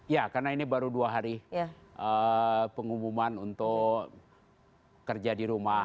ya karena ini baru dua hari pengumuman untuk kerja di rumah